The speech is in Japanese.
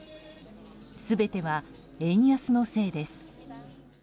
全ては円安のせいです。